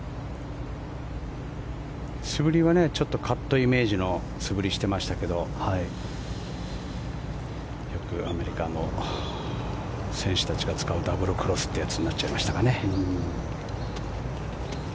素振りはカットのイメージの素振りをしていましたけどよくアメリカの選手たちが使うダブルクロスというやつになっちゃいましたかね。